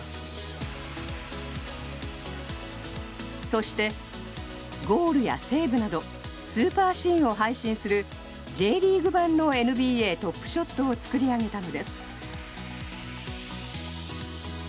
そして、ゴールやセーブなどスーパーシーンを配信するＪリーグ版のＮＢＡＴｏｐＳｈｏｔを作り上げたのです。